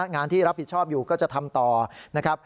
งานที่รับผิดชอบอยู่ก็จะทำต่อนะครับ